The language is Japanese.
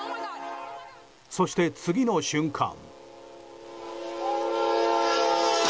そして、次の瞬間！